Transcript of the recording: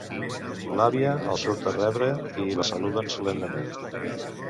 L'àvia els surt a rebre i la saluden solemnement.